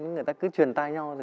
người ta cứ truyền tay nhau